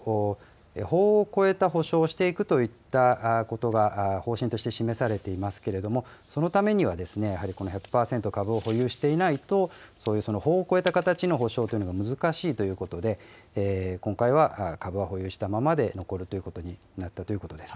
法を超えた補償をしていくといったことが方針として示されていますけれども、そのためには、やはりこの１００％株を保有していないと、そういう法を超えた形の補償というのは難しいということで、今回は株は保有したままで残るということになったということです。